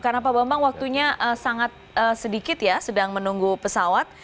karena pak bambang waktunya sangat sedikit ya sedang menunggu pesawat